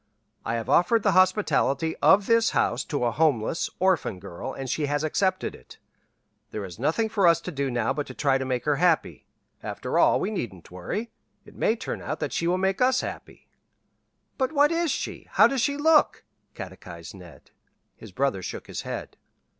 "I have offered the hospitality of this house to a homeless, orphan girl, and she has accepted it. There is nothing for us to do now but to try to make her happy. After all, we needn't worry it may turn out that she will make us happy." "But what is she? How does she look?" catechized Ned. His brother shook his head.